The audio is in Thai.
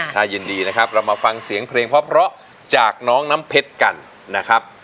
ถ้ายินดีนะครับเรามาฟังเสียงเพลงเพราะจากน้องน้ำเพชรกันนะครับ